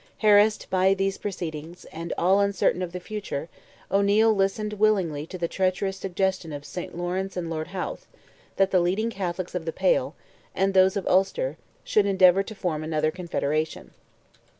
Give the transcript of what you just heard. Harassed by these proceedings, and all uncertain of the future, O'Neil listened willingly to the treacherous suggestion of St. Lawrence and Lord Howth, that the leading Catholics of the Pale, and those of Ulster, should endeavour to form another confederation.